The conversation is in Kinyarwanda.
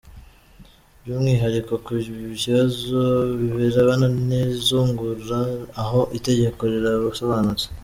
By’umwihariko ku bibazo birebana n’izungura ho itegeko rirasobanutse.